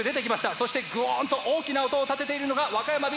そしてグオーンと大きな音を立てているのが和歌山Ｂ。